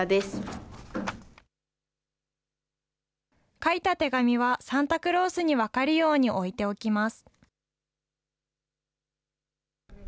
書いた手紙は、サンタクロースに分かるように置いておきます。